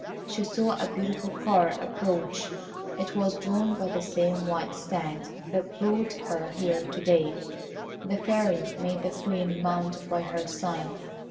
She saw a beautiful car approach; it was drawn by the same white stags that brought her here to day. The Fairy made the Queen mount by her side.